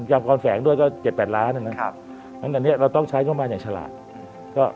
จำกรแฝงด้วยก็๗๘ล้านบาทจากนั้นเราต้องใช้เข้ามาอย่างฉลาด